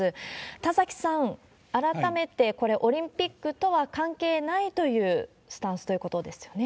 田崎さん、改めてこれ、オリンピックとは関係ないというスタンスということですよね？